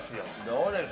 どうですか？